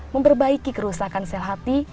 memperbaiki kerusakan sel hati